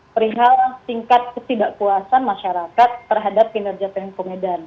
peringkat singkat ketidakkuasaan masyarakat terhadap kinerja pemko medan